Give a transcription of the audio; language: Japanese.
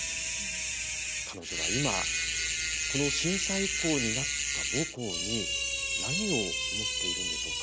彼女は今、この震災遺構になった母校に、何を思っているんでしょうか。